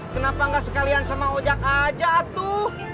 kenapa gak sekalian sama ojak aja tuh